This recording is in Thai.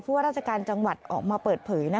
ว่าราชการจังหวัดออกมาเปิดเผย